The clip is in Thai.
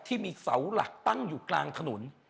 ที่มีเสาหลักตั้งอยู่กลางถนน